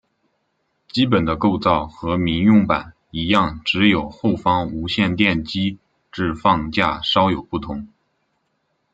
基本的构造和民用版一样只有后方无线电机置放架稍有不同。